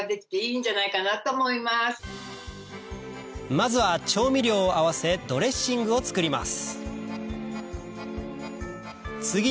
まずは調味料を合わせドレッシングを作ります